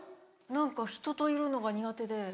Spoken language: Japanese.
何か人といるのが苦手で。